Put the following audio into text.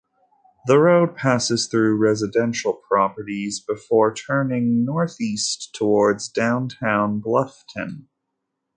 The road passes through residential properties, before turning northeast towards downtown Bluffton.